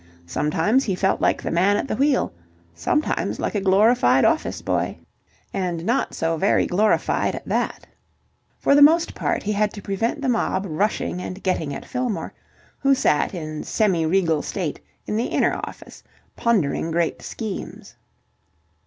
Sometimes he felt like the man at the wheel, sometimes like a glorified office boy, and not so very glorified at that. For the most part he had to prevent the mob rushing and getting at Fillmore, who sat in semi regal state in the inner office pondering great schemes.